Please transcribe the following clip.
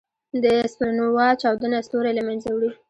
د سپرنووا چاودنه ستوری له منځه وړي.